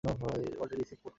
কলটা রিসিভ করতে হবে।